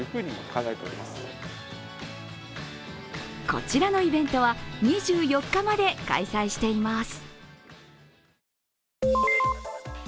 こちらのイベントは２４日まで開催しています。